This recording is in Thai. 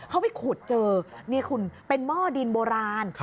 เขาไปขุดเจอนี่คุณเป็นหม้อดินโบราณ